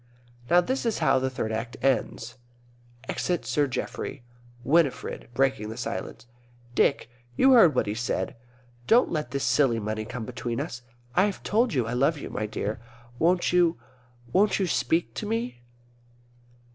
Now this is how the Third Act ends: Exit Sir Geoffrey. Winifred (breaking the silence). Dick, you heard what he said. Don't let this silly money come between us. I have told you I love you, dear. Won't you won't you speak to me?